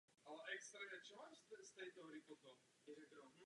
Již ve čtrnácti letech začal studovat na univerzitě.